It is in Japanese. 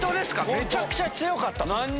めちゃくちゃ強かったっすよ。